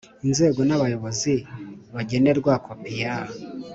Inzego n abayobozi bagenerwa kopi ya